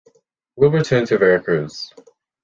We’ll return to Veracruz.